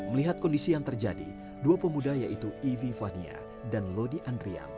melihat kondisi yang terjadi dua pemuda yaitu ivi fania dan lodi andrian